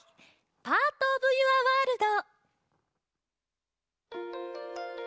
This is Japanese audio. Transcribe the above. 「パート・オブ・ユア・ワールド」。